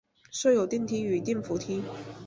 设有电梯与电扶梯。